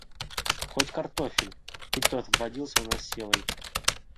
Хоть картофель — и тот вводился у нас силой.